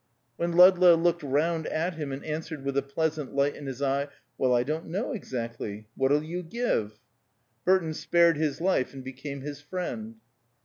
_" When Ludlow looked round up at him and answered with a pleasant light in his eye, "Well, I don't know exactly. What'll you give?" Burton spared his life, and became his friend.